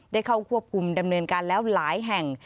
ได้เข้าควบคุมดำเนินการแล้วหลายแห่ง